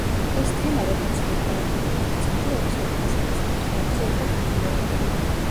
ეს თემა, როგორც დეკორატიული აქცენტი, ოთხივე ფასადის კუთხეებზე იყო გამეორებული.